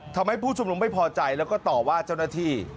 ผู้ชุมนุมไม่พอใจแล้วก็ต่อว่าเจ้าหน้าที่